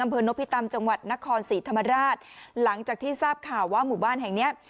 อำเภอนพิตำจังหวัดนครศรีธรรมราชหลังจากที่ทราบข่าวว่าหมู่บ้านแห่งเนี้ย